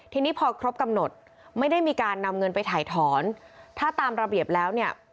ทีนี้พอครบกำหนดไม่ได้มีการนำเงินไปถ่ายถอนถ้าตามระเบียบแล้วเนี่ย